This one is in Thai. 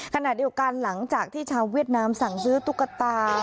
ขณะเดียวกันหลังจากที่ชาวเวียดนามสั่งซื้อตุ๊กตา